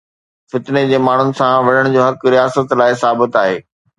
فتني جي ماڻهن سان وڙهڻ جو حق رياست لاءِ ثابت آهي.